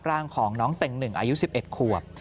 ร่างของน้องเต็งหนึ่งอายุ๑๑ขวบ